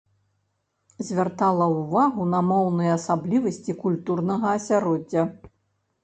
Звяртала ўвагу на моўныя асаблівасці культурнага асяроддзя.